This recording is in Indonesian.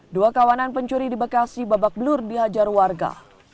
dua kawanan pencuri di bekasi babak belur dihajar warga